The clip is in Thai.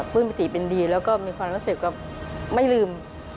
ปื้นประติเป็นดีแล้วก็มีความรู้สึกไม่ลืม